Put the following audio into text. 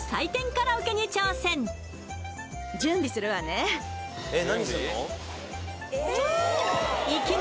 カラオケに挑戦ええっ！